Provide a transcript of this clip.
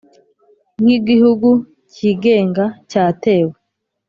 nk'igihugu cyigenga cyatewe,